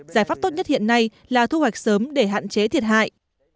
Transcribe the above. giải pháp tốt nhất hiện nay là thu hoạch sớm để hạn chế thiệt hại